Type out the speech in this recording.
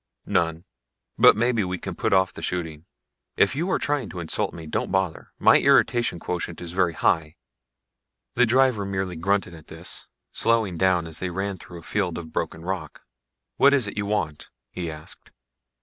"None. But maybe we can put off the shooting. If you are trying to insult me don't bother. My irritation quotient is very high." The driver merely grunted at this, slowing down as they ran through a field of broken rock. "What is it you want?" he asked.